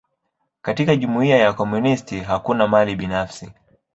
Katika jumuia ya wakomunisti, hakuna mali binafsi.